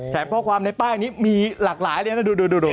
ข้อความในป้ายนี้มีหลากหลายเลยนะดู